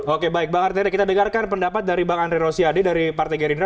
oke baik bang arteria kita dengarkan pendapat dari bang andre rosiade dari partai gerindra